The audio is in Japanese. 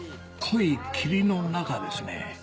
濃い霧の中ですね